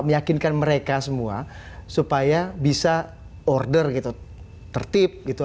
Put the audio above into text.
meyakinkan mereka semua supaya bisa order gitu tertib gitu